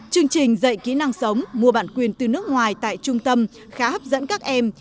chương trình dạy kỹ năng sống mua bản quyền từ nước ngoài tại trung tâm khá hấp dẫn các em